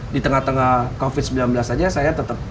di tengah tengah covid sembilan belas saja saya tetap